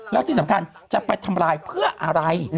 แล้วที่สำคัญจะไปทำลายเพื่ออะไร